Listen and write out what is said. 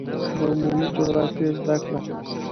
د عمومي جغرافیې زده کړه